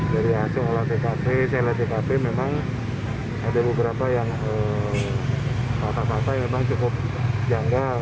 dari hasil olah tkp cltkp memang ada beberapa yang patah patah yang memang cukup janggal